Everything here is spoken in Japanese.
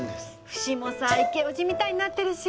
フシもさイケオジみたいになってるし。